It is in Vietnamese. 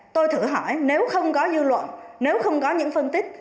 tôi thử hỏi nếu không có dư luận nếu không có những phân tích